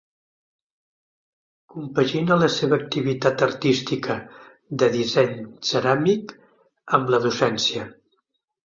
Compagina la seva activitat artística, de disseny ceràmic, amb la docència.